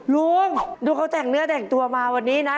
ลุงดูเขาแต่งเนื้อแต่งตัวมาวันนี้นะ